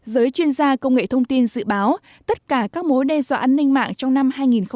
giới chuyên gia công nghệ thông tin dự báo tất cả các mối đe dọa an ninh mạng trong năm hai nghìn hai mươi